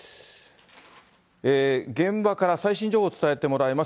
現場から最新情報を伝えてもらいます。